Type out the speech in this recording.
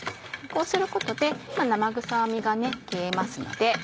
こうすることで生臭みが消えますので。